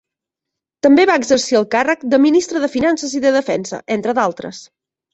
També va exercir el càrrec de Ministre de Finances i de Defensa, entre d'altres.